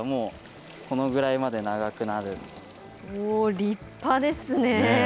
立派ですね。